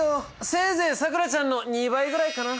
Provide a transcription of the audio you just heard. せいぜいさくらちゃんの２倍ぐらいかな。